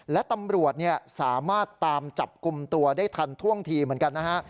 และตำรวจสามารถตามจับกลุ่มตัวได้ทันท่วงทีเหมือนกันนะฮะ